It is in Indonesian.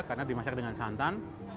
karena dimasak dengan santan